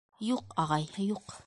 — Юҡ, ағай, юҡ.